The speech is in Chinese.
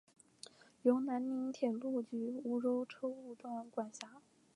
由南宁铁路局梧州车务段管辖。